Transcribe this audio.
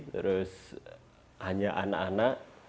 terus hanya anak anak